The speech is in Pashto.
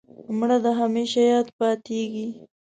مړه د همېشه یاد پاتېږي